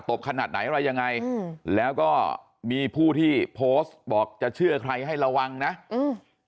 บขนาดไหนอะไรยังไงอืมแล้วก็มีผู้ที่โพสต์บอกจะเชื่อใครให้ระวังนะอืม